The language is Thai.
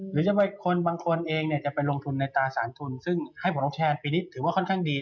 หรือจะไปที่คนบางคนเองเนี่ยจะไปลงทุนในตระสารทุนซึ่งให้ผลทัพแทนปีนี้ถือว่าค่อนข้างดี